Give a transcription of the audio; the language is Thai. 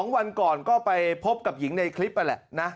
๒วันก่อนก็ไปพบกับหญิงในคลิปนั่นแหละนะ